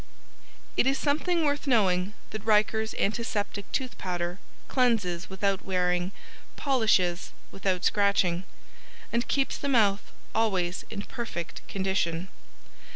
] IT IS SOMETHING WORTH KNOWING THAT RIKER'S ANTISEPTIC TOOTH POWDER Cleanses without wearing, Polishes without scratching. And Keeps the Mouth always in Perfect Condition.